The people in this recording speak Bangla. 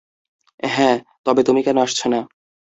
হ্যাঁ, তবে তুমি কেন আসছো না?